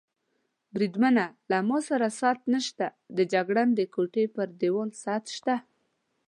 بریدمنه، له ما سره ساعت نشته، د جګړن د کوټې پر دېوال ساعت شته.